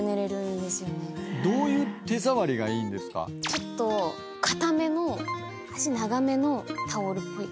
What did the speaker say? ちょっと硬めの足長めのタオルっぽい感じ。